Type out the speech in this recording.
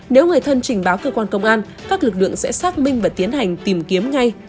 nếu người thân trình báo cơ quan công an các lực lượng sẽ xác minh và tiến hành tìm kiếm ngay